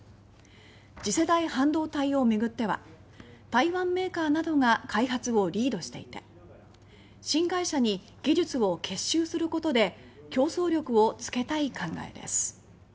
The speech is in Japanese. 次世代半導体を巡っては台湾メーカーなどが開発をリードしていて新会社に技術を結集することで競争力をつけたい考えです。